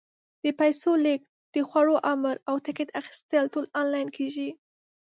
د پیسو لېږد، د خوړو امر، او ټکټ اخیستل ټول آنلاین کېږي.